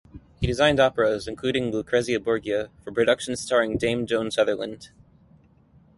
He designed operas including "Lucrezia Borgia" for productions starring Dame Joan Sutherland.